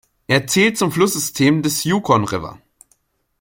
Er zählt zum Flusssystem des Yukon River.